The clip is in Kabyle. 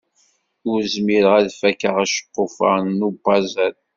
Ur zmireɣ ad d-fakkeɣ aceqquf-a n upazel.